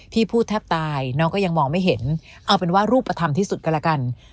พูดแทบตายน้องก็ยังมองไม่เห็นเอาเป็นว่ารูปธรรมที่สุดก็แล้วกัน